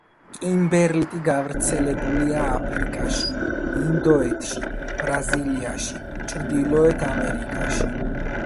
კიმბერლიტი გავრცელებულია აფრიკაში, ინდოეთში, ბრაზილიაში, ჩრდილოეთ ამერიკაში.